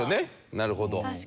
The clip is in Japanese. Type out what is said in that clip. なるほど。